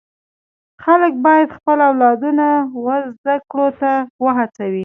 خلک باید خپل اولادونه و زده کړو ته و هڅوي.